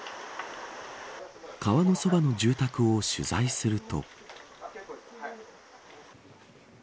川のそばの住宅を取材すると。